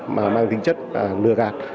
mà mang tính chất lừa gạt